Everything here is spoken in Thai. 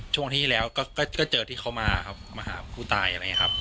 ช่วงที่แล้วก็เจอที่เขามาครับมาหาผู้ตายอะไรอย่างนี้ครับ